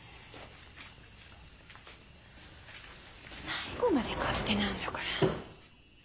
最後まで勝手なんだから。